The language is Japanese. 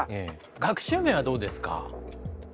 学習面はどうですか？